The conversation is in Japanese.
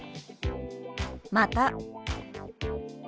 「また」。